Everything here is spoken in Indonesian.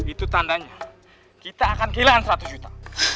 itu tandanya kita akan kehilangan seratus juta